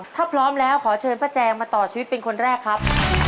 ถ้าพร้อมแล้วขอเชิญป้าแจงมาต่อชีวิตเป็นคนแรกครับ